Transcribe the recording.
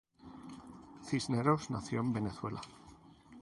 Cisneros nació en Venezuela.